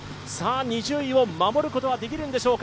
２０位を守ることはできるのでしょうか。